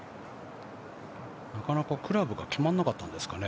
なかなかクラブが決まらなかったんですかね。